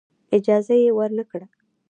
اجازه یې ورنه کړه.